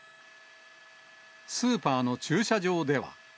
スーパーの駐車場では。